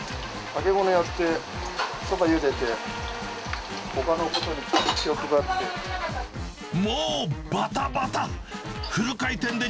揚げ物やって、そばゆでて、ほかのことに気を配ってる。